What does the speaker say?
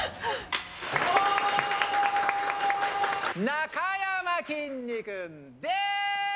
なかやまきんに君です！